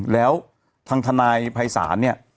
แล้วทางทนายภัยศาลเนี่ย